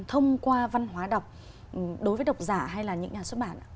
thông qua văn hóa đọc đối với đọc giả hay là những nhà xuất bản